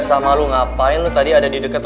sama lu ngapain lu tadi ada di deket